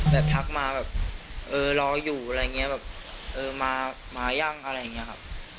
ทักมาแบบเออรออยู่อะไรอย่างนี้แบบเออมายังอะไรอย่างนี้ครับ